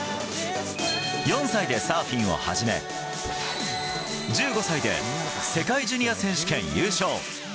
４歳でサーフィンを始め１５歳で世界ジュニア選手権優勝。